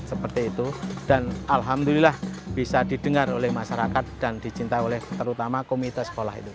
seperti itu dan alhamdulillah bisa didengar oleh masyarakat dan dicintai oleh terutama komite sekolah itu